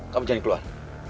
kamu jangan keluar